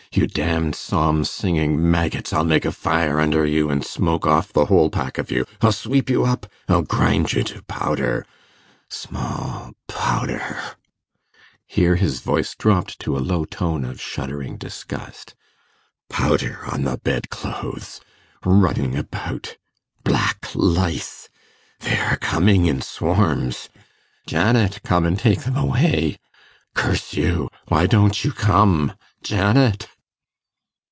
you damned psalm singing maggots! I'll make a fire under you, and smoke off the whole pack of you ... I'll sweep you up ... I'll grind you to powder ... small powder ... (here his voice dropt to a low tone of shuddering disgust) ... powder on the bed clothes ... running about ... black lice ... they are coming in swarms ... Janet! come and take them away ... curse you! why don't you come? Janet!